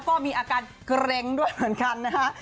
ก็มีอาการเกร็งด้วยเหมือนกันนะฮะ